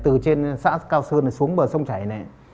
từ trên xã cao sơn này xuống bờ sông chảy này